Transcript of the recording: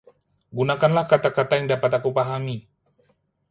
Gunakanlah kata-kata yang dapat aku pahami.